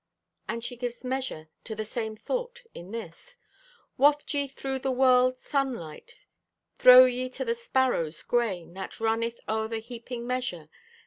And she gives measure to the same thought in this: Waft ye through the world sunlight; Throw ye to the sparrows grain That runneth o'er the heaping measure.